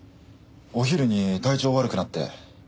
お昼に体調悪くなって。